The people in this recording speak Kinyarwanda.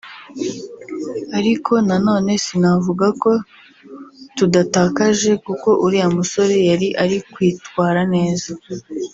ariko na none sinavuga ko tudatakaje kuko uriya musore yari ari kwitwara neza”